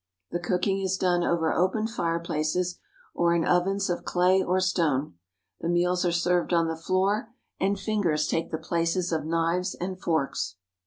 The cooking is done over open fireplaces or in ovens of clay or stone. The meals are served on the floor, and fingers take the places of knives and forks.